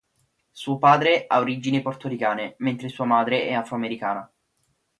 Suo padre ha origini portoricane mentre sua madre è afro-americana.